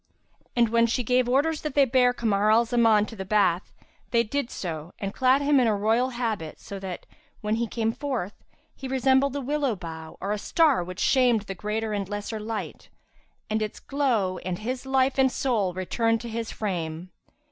And when she gave orders that they bear Kamar al Zaman to the bath, they did so and clad him in a royal habit so that, when he came forth, he resembled a willow bough or a star which shamed the greater and lesser light[FN#335] and its glow, and his life and soul returned to his frame.